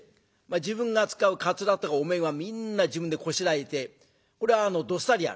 自分が使うカツラとかお面はみんな自分でこしらえてこれはどっさりある。